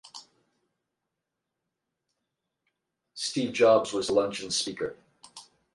Steve Jobs was the luncheon's speaker.